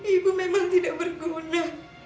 ibu memang tidak berguna